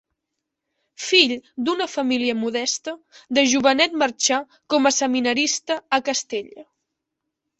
Fill d'una família modesta, de jovenet marxà com a seminarista a Castella.